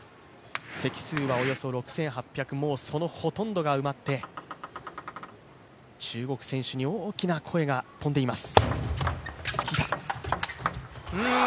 席数はおよそ６８００もうそのほとんどが埋まって中国選手に大きな声が飛んでいます。